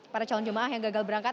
para calon jemaah yang gagal berangkat